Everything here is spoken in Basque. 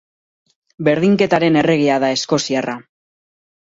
Berdinketaren erregea da eskoziarra.